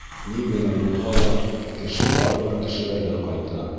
— Ни генә булһа ла, кеше барыбер кешеләргә ҡайта.